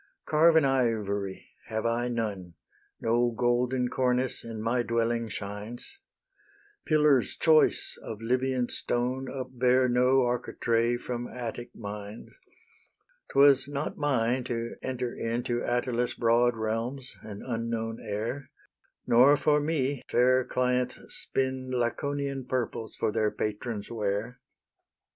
Carven ivory have I none; No golden cornice in my dwelling shines; Pillars choice of Libyan stone Upbear no architrave from Attic mines; 'Twas not mine to enter in To Attalus' broad realms, an unknown heir, Nor for me fair clients spin Laconian purples for their patron's wear.